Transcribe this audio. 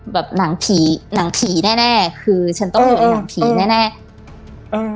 แบบหนังผีหนังผีแน่แน่คือฉันต้องสวยหนังผีแน่แน่อืม